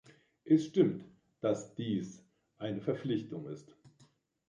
Es stimmt, dass dies eine Verpflichtung ist.